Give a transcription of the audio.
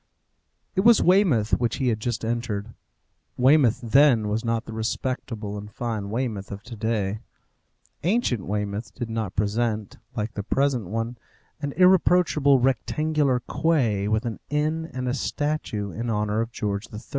It was Weymouth which he had just entered. Weymouth then was not the respectable and fine Weymouth of to day. Ancient Weymouth did not present, like the present one, an irreproachable rectangular quay, with an inn and a statue in honour of George III.